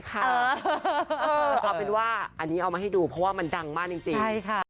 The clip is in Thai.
ครับว่าอันนี้เอามาให้ดูเพราะว่ามันดั่งมากนะครับ